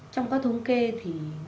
trong các thống kê thì